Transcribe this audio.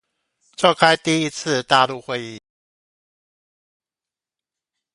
召開第一次大陸會議